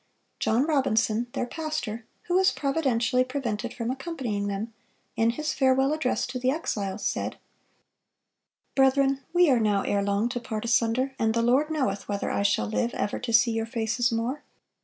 John Robinson, their pastor, who was providentially prevented from accompanying them, in his farewell address to the exiles said: "Brethren, we are now erelong to part asunder, and the Lord knoweth whether I shall live ever to see your faces more.